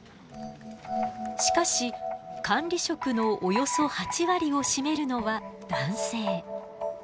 しかし管理職のおよそ８割を占めるのは男性。